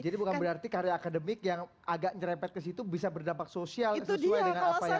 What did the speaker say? jadi bukan berarti karya akademik yang agak nyerempet ke situ bisa berdampak sosial sesuai dengan apa ya